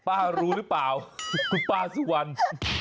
ป้ารู้หรือเปล่าคุณป้าสุวรรณ